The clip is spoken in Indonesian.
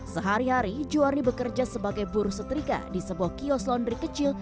sehari hari juwarni bekerja sebagai buruh setrika di sebuah kios laundry kecil